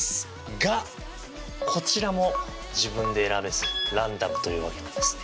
がこちらも自分で選べずランダムというわけなんですね。